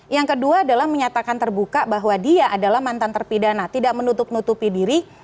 yang kedua adalah menyatakan terbuka bahwa dia adalah mantan terpidana tidak menutup nutupi diri